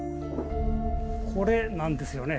これなんですよね。